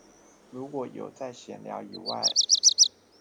如果有在閒聊以外